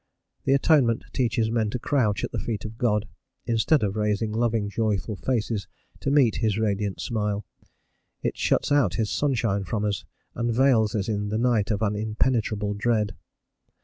The Atonement teaches men to crouch at the feet of God, instead of raising loving, joyful faces to meet his radiant smile; it shuts out his sunshine from us, and veils us in the night of an impenetrable dread.